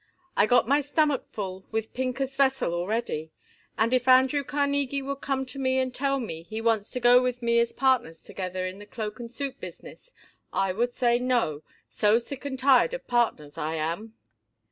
I got my stomach full with Pincus Vesell already, and if Andrew Carnegie would come to me and tell me he wants to go with me as partners together in the cloak and suit business, I would say 'No,' so sick and tired of partners I am."